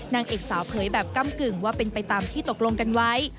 นางเอกสาวเผยแบบก้ำกึ่งว่าเป็นไปตามที่ตกลงกันไว้